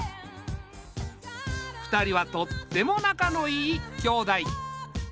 ２人はとってもなかのいい兄妹。